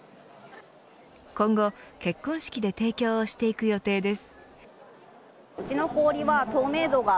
今後結婚式で提供していく予定です。